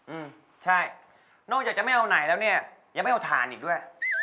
อืมใช่นอกจากจะไม่เอาไหนแล้วเนี่ยยังไม่เอาถ่านอีกด้วย